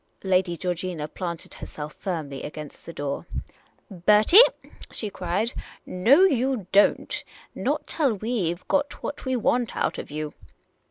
Lady Georgina planted herself firmly against the door. " Bertie," she cried, " no, you don't — not till we 've got what we want out of you